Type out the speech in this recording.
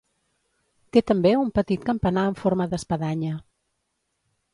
Té també un petit campanar en forma d'espadanya.